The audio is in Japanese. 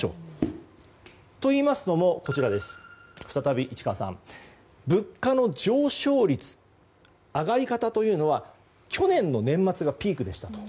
といいますのも再び、市川さん物価の上昇率上がり方というのは去年の年末がピークでしたと。